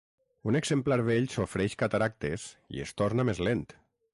Un exemplar vell sofreix cataractes i es torna més lent.